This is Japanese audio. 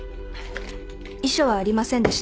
遺書はありませんでした。